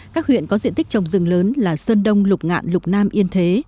các huyện có diện tích trồng rừng lớn là sơn đông lục ngạn lục nam yên thế